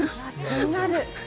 気になる。